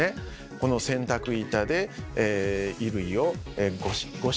この洗濯板で衣類をゴシゴシとこすると。